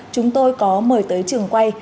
chúng tôi có mời tới trường quay